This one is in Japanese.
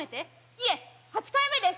いえ８回目です。